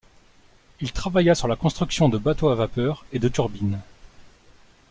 Il travailla sur la construction de bateaux à vapeur et de turbines.